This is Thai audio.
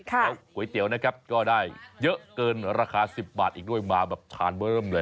แล้วก๋วยเตี๋ยวก็ได้เยอะเกินราคา๑๐บาทอีกด้วยมาแบบทานเพิ่มเลย